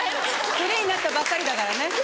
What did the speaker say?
フリーになったばっかりだからね。